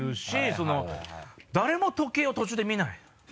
その誰も時計を途中で見ないの。